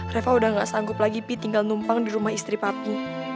reva udah gak sanggup lagi pi tinggal numpang di rumah istri papa